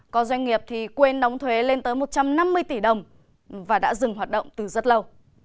có doanh nghiệp thì quên đóng thuế lên tới một trăm năm mươi tỷ đồng và đã dừng hoạt động từ rất lâu